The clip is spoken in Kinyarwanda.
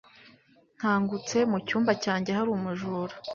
Nkangutse, mu cyumba cyanjye hari umujura.